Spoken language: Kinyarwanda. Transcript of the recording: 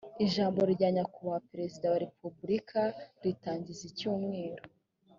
ijambo rya nyakubahwa perezida wa repubulika ritangiza icyumweru